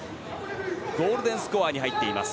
ゴールデンスコアに入っています